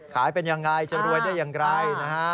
ขายเป็นอย่างไรจะรวยได้อย่างไรนะฮะ